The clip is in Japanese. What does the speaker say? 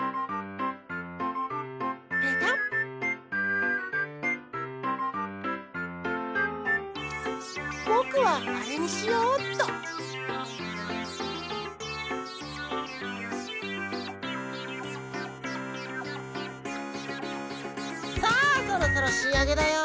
ペタッぼくはあれにしようっとさあそろそろしあげだよ！